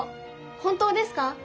本当ですか？